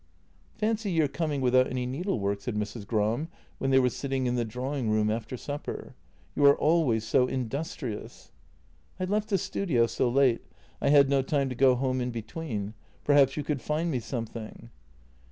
" Fancy your coming without any needlework," said Mrs. Gram, when they were sitting in the drawing room after supper. "You are always so industrious." " I left the studio so late, I had no time to go home in be tween. Perhaps you could find me something?"